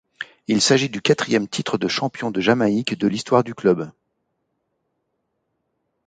Il s’agit du quatrième titre de champion de Jamaïque de l’histoire du club.